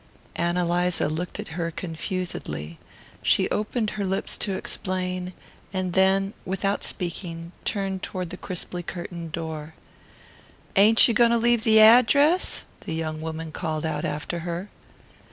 Ann Eliza looked at her confusedly. She opened her lips to explain, and then, without speaking, turned toward the crisply curtained door. "Ain't you going to leave the AD dress?" the young woman called out after her.